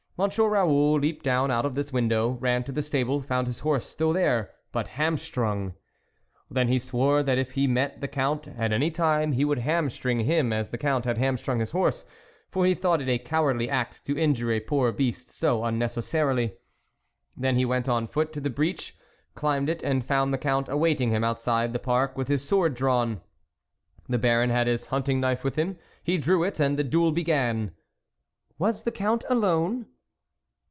Monsieur Raoul leaped down out of this window, ran to the stable, found his horse still there, but hamstrung ; then he swore that if he met the Count at any time he would hamstring him as the Count had hamstrung his horse, for he thought it a cowardly act to injure a poor beast so unnecessarily. Then he went on foot to the breach, climbed it, and found the Count awaiting him outside the park, with his sword drawn. The Baron had his hunting knife with him ; he drew it, and the duel began." " Was the Count alone